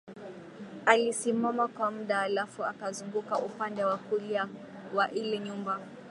Alisimama kwa muda halafu akazunguka upande wa kulia wa ile nyumba